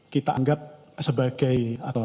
kita anggap sebagai